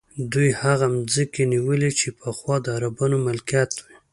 دوی هغه ځمکې نیولي چې پخوا د عربانو ملکیت وې.